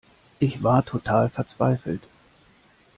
Ich war total verzweifelt.